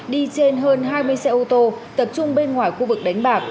đi trên hơn hai mươi xe ô tô tập trung bên ngoài khu vực đánh bạc